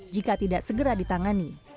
jika tidak segera ditangani